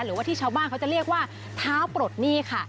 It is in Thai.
หรือว่าที่ชาวบ้านเขาจะเรียกว่าเท้าปลดหนี้ค่ะ